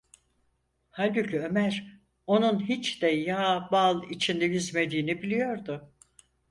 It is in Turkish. Halbuki Ömer, onun hiç de yağ bal içinde yüzmediğini biliyordu.